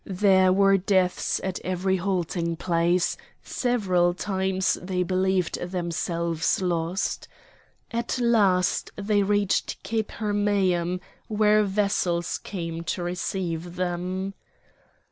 There were deaths at every halting place; several times they believed themselves lost. At last they reached Cape Hermæum, where vessels came to receive them.